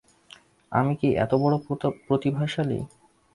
আমি কি এতবড়ো প্রতিভাশালী?